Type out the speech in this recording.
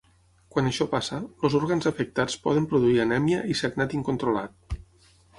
Quan això passa, els òrgans afectats poden produir anèmia i sagnat incontrolat.